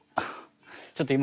ちょっと今。